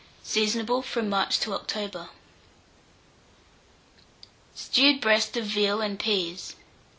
Seasonable from March to October. STEWED BREAST OF VEAL AND PEAS. 858.